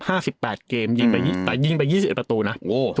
สิบแปดเกมยิงไปยี่แต่ยิงไปยี่สิบเอ็ดประตูนะโอ้